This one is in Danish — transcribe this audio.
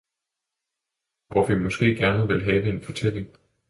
hvor vi måske gerne vil have en fortælling.